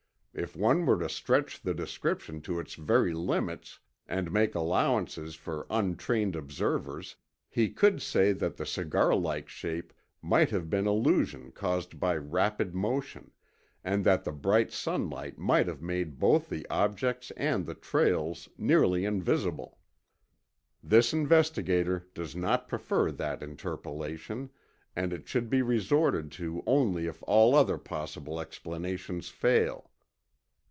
If one were to stretch the description to its very limits and make allowances for untrained observers, he could say that the cigar like shape might have been illusion caused by rapid motion, and that the bright sunlight might have made both the objects and the trails nearly invisible. "This investigator does not prefer that interpolation, and it should he resorted to only if all other possible explanations fail."